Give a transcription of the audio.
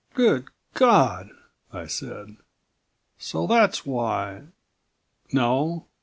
"Good God!" I said. "So that's why No